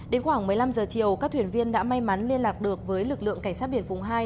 đến khoảng một mươi năm giờ chiều các thuyền viên đã may mắn liên lạc được với lực lượng cảnh sát biển vùng hai